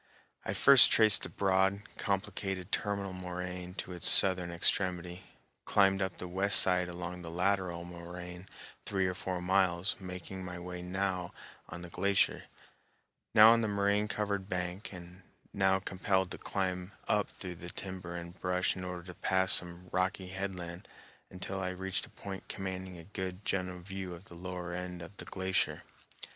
I first traced the broad, complicated terminal moraine to its southern extremity, climbed up the west side along the lateral moraine three or four miles, making my way now on the glacier, now on the moraine covered bank, and now compelled to climb up through the timber and brush in order to pass some rocky headland, until I reached a point commanding a good general view of the lower end of the glacier.